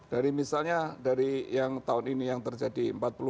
dari misalnya dari yang tahun ini yang terjadi